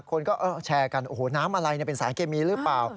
คนก็แชร์กันโอ้โหน้ำอะไรเป็นสารเคมีหรือเปล่า